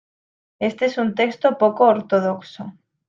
Este es un texto poco ortodoxo.